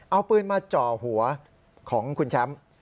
เอาปืนมาจ่อหัวของคุณแชมป์